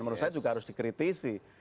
menurut saya juga harus dikritisi